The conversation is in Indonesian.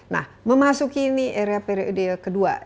nah memasuki ini area periode kedua